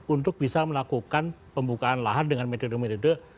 untuk bisa melakukan pembukaan lahan dengan metode metode